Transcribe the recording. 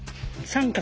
三角。